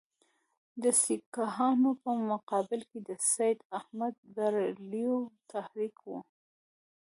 د سیکهانو په مقابل کې د سید احمدبرېلوي تحریک وو.